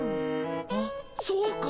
あっそうか。